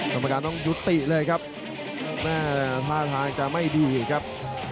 กรรมการต้องยุติเลยครับแม่ท่าทางจะไม่ดีครับ